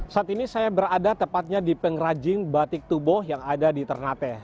saat ini saya berada tepatnya di pengrajin batik tubuh yang ada di ternateh